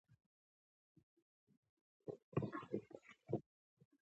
خبره تر دښمنيو هم رسېږي.